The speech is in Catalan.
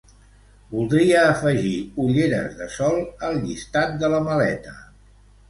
Voldria afegir ulleres de sol al llistat de la maleta.